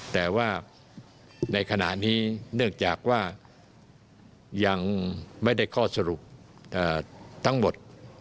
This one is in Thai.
แต่ว่าในขณะนี้เนื่องจากว่ายังไม่ได้ข้อสรุปทั้งหมด